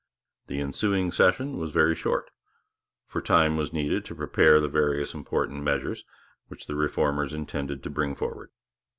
The ensuing session was very short; for time was needed to prepare the various important measures which the Reformers intended to bring forward.